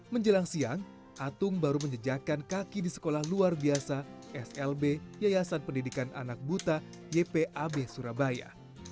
menjelang siang atung baru menjejakan kaki di sekolah luar biasa slb yayasan pendidikan anak buta ypab surabaya